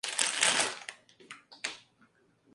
La sede del condado es Newport, al igual que su mayor ciudad.